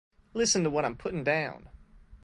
Listen to what I'm puttin' down.